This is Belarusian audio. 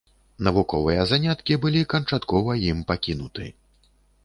Навуковыя заняткі былі канчаткова ім пакінуты.